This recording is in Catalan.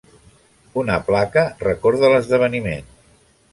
Una placa recorda l'esdeveniment.